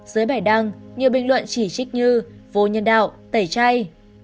dưới bài đăng nhiều bình luận chỉ trích như vô nhân đạo tẩy chay